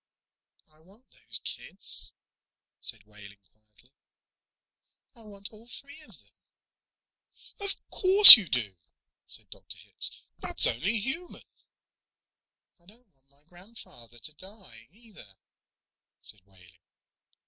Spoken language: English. "I want those kids," said Wehling quietly. "I want all three of them." "Of course you do," said Dr. Hitz. "That's only human." "I don't want my grandfather to die, either," said Wehling.